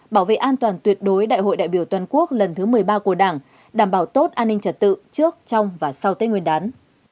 bảo vệ an toàn tuyệt đối đại hội đại biểu toàn quốc lần thứ một mươi ba của đảng đảm bảo tốt an ninh trật tự trước trong và sau tết nguyên đán